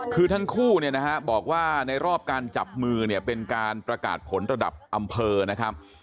คือทั้งคู่เนี่ยนะฮะบอกว่าในรอบการจับมือเนี่ยเป็นการประกาศผลระดับอำเภอนะครับ